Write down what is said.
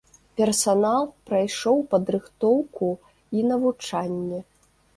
Персанал прайшоў падрыхтоўку і навучанне.